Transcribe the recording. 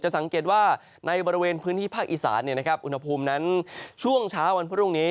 สังเกตว่าในบริเวณพื้นที่ภาคอีสานอุณหภูมินั้นช่วงเช้าวันพรุ่งนี้